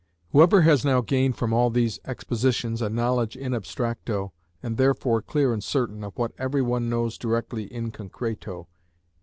Whoever has now gained from all these expositions a knowledge in abstracto, and therefore clear and certain, of what every one knows directly in concreto, _i.